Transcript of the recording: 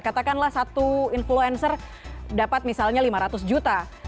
katakanlah satu influencer dapat misalnya lima ratus juta